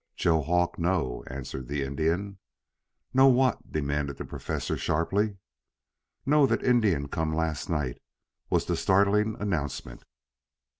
"Joe Hawk know," answered the Indian. "Know what?" demanded the Professor sharply. "Know Indian come last night," was the startling announcement.